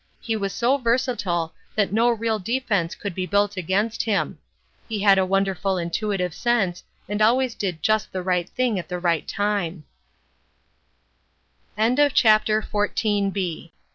He was so versatile, that no real defense could be built against him. He had a wonderful intuitive sense and always did just the right thing at the r